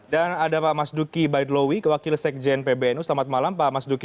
dan ada pak mas duki baitlawi kewakil sekjen pbnu selamat malam pak mas duki